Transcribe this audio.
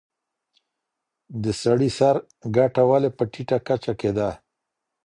د سړي سر ګټه ولي په ټیټه کچه کي ده؟